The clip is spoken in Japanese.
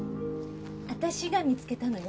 私が見つけたのよ。